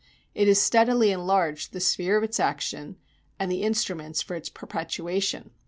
It has steadily enlarged the sphere of its action and the instruments for its perpetuation.